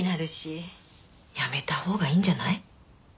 やめたほうがいいんじゃない？